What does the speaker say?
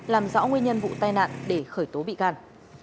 làm rõ nguyên nhân vụ tai nạn để khởi tố bị can